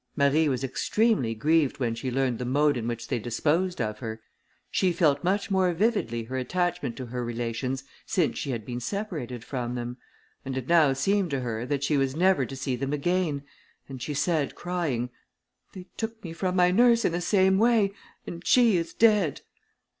Marie was extremely grieved when she learned the mode in which they disposed of her; she felt much more vividly her attachment to her relations since she had been separated from them, and it now seemed to her that she was never to see them again, and she said, crying, "They took me from my nurse in the same way, and she is dead."